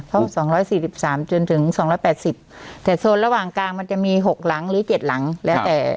เขา๒๔๓จนถึง๒๘๐แต่โซนระหว่างกลางมันจะมี๖หลังหรือ๗หลังแล้วแต่